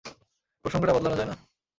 প্রসঙ্গটা বদলানো যায়না?